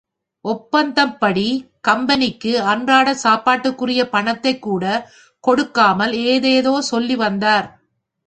ஒப்பந்தப்படி கம்பெனிக்கு அன்றாடச் சாப்பாட்டுக்குரிய பணத்தைக் கூடக் கொடுக்காமல் ஏதேதோ சொல்லி வந்தார்.